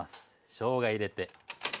しょうが入れて。